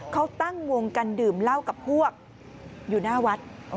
เขาตั้งวงกันดื่มเหล้ากับพวกอยู่หน้าวัด